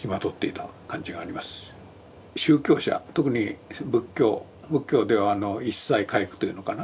宗教者特に仏教仏教では一切皆苦というのかな